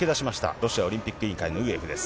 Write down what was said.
ロシアオリンピック委員会のウグエフです。